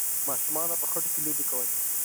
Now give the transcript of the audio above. ماشومانو به په خټو کې لوبې کولې.